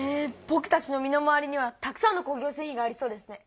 ぼくたちの身の回りにはたくさんの工業製品がありそうですね。